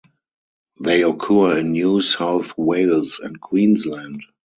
They occur in New South Wales and Queensland.